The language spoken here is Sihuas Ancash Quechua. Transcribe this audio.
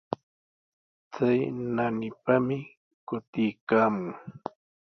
Chay naanipami kutiykaamun.